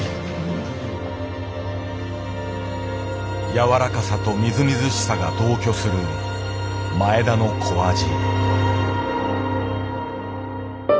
やわらかさとみずみずしさが同居する前田の小アジ。